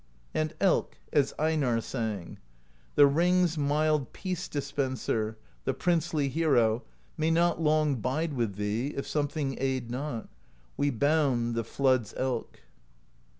And Elk, as Einarr sang: The ring's mild Peace Dispenser, The princely hero, may not Long bide with thee, if something Aid not; we boune the Flood's Elk.